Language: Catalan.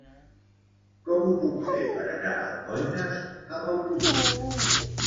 Com ho puc fer per anar a Almoines amb autobús?